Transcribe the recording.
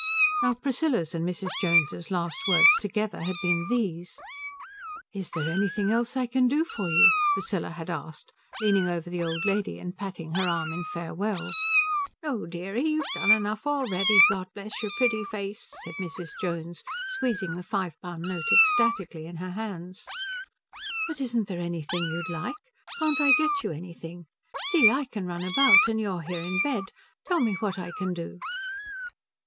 Now Priscilla's and Mrs. Jones's last words together had been these: "Is there anything else I can do for you?" Priscilla had asked, leaning over the old lady and patting her arm in farewell. "No, deary you've done enough already, God bless your pretty face," said Mrs. Jones, squeezing the five pound note ecstatically in her hands. "But isn't there anything you'd like? Can't I get you anything? See, I can run about and you are here in bed. Tell me what I can do."